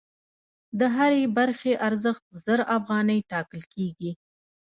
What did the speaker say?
د هرې برخې ارزښت زر افغانۍ ټاکل کېږي